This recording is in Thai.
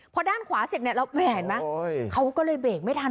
พอด้านขวาเสียดไม่เห็นไหมเขาก็เลยเบกไม่ทัน